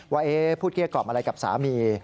ว่าเอ๊ะพูดแก้กอบอะไรกับสามี